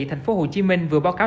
thành phố hồ chí minh vừa báo cáo